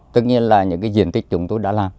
tất nhiên là những cái diện tích chúng tôi đã làm